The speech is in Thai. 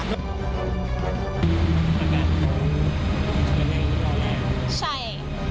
ประกันมันยังไม่รอแรกใช่